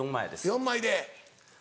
４枚で。